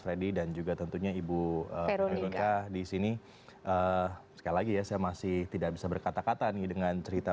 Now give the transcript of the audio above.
freddy dan juga tentunya ibu mega disini sekali lagi ya saya masih tidak bisa berkata kata nih dengan cerita